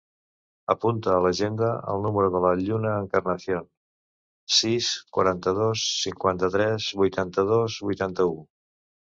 Apunta a l'agenda el número de la Lluna Encarnacion: sis, quaranta-dos, cinquanta-tres, vuitanta-dos, vuitanta-u.